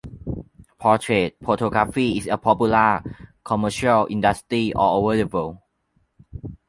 Portrait photography is a popular commercial industry all over the world.